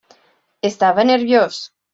Estava nerviós.